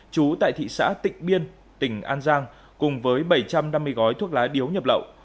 chú tại thị xã tịnh biên tỉnh an giang cùng với bảy trăm năm mươi gói thuốc lá điếu nhập lậu